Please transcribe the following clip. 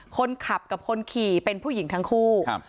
คนขับกับคนขี่เป็นผู้หญิงทั้งคู่ครับ